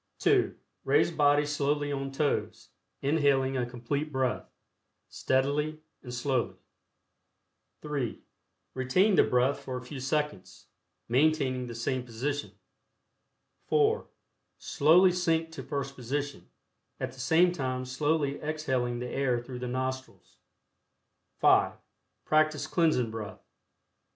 (2) Raise body slowly on toes, inhaling a Complete Breath, steadily and slowly. (3) Retain the breath for a few seconds, maintaining the same position. (4) Slowly sink to first position, at the same time slowly exhaling the air through the nostrils. (5) Practice Cleansing Breath.